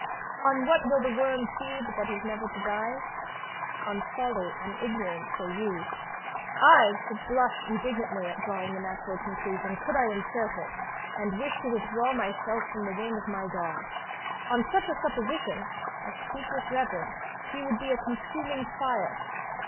On what will the worm feed that is never to die? On folly, on ignorance, say ye I should blush indignantly at drawing the natural conclusion, could I insert it, and wish to withdraw myself from the wing of my God! On such a supposition, I speak with reverence, he would be a consuming fire.